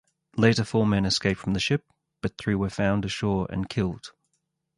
Later four men escaped from the ship, but three were found ashore and killed.